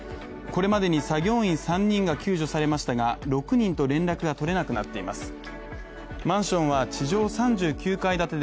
これまでに作業員３人が救助されましたが、６人と連絡が取れなくなっています。